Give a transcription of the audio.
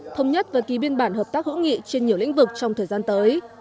thống nhất và ký biên bản hợp tác hữu nghị trên nhiều lĩnh vực trong thời gian tới